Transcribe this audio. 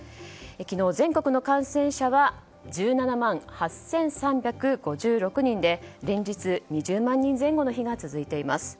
昨日、全国の感染者は１７万８３５６人で連日２０万人前後の日が続いています。